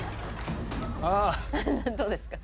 どうですか？